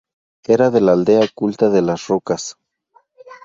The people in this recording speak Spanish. Era de la Aldea Oculta de las Rocas.